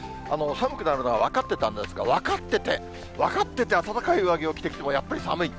寒くなるのは分かってたんですが、分かってて、分かってて暖かい上着を着てきても、やっぱり寒い。